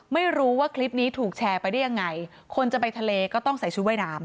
ไม่รู้ว่าคลิปนี้ถูกแชร์ไปได้ยังไงคนจะไปทะเลก็ต้องใส่ชุดว่ายน้ำ